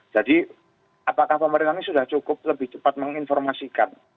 jadi apakah pemerintah ini sudah cukup lebih cepat menginformasikan